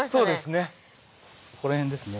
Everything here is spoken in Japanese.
ここら辺ですね。